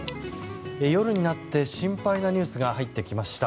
夜になって心配なニュースが入ってきました。